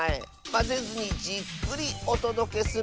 まぜずにじっくりおとどけするのである。